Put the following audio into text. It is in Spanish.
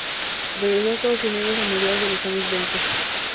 Regresó a Estados Unidos a mediados de los años veinte.